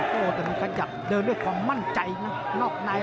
โต้ต้องขยับเดินด้วยความมั่นใจนอกใน